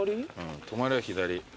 「止まれ」を左。